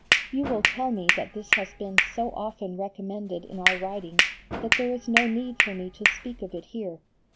You will tell me that this has been so often recommended in our writings that there is no need for me to speak of it here.